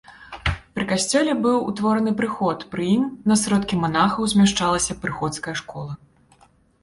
Пры касцёле быў утвораны прыход, пры ім на сродкі манахаў змяшчалася прыходская школа.